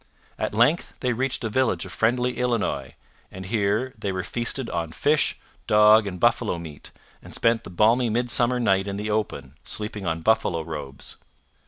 At length they reached a village of friendly Illinois, and here they were feasted on fish, dog, and buffalo meat, and spent the balmy midsummer night in the open, sleeping on buffalo robes.